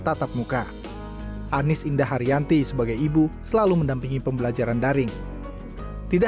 tatap muka anies indah haryanti sebagai ibu selalu mendampingi pembelajaran daring tidak